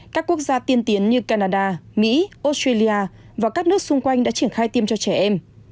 các quốc gia tiên tiến như canada mỹ australia và các nước xung quanh đã triển khai tiêm cho trẻ em